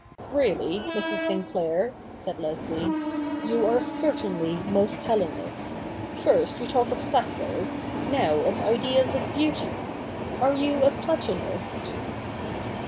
' Really, Mrs. Sinclair,' said Leslie, ' you are certainly most Hellenic. First you talk of Sappho, now of Ideas of Beauty. Are you a Platonist